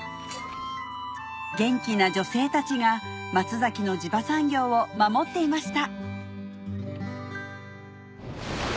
元気な女性たちが松崎の地場産業を守っていました